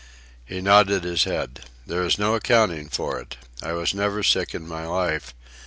He nodded his head. "There is no accounting for it. I was never sick in my life.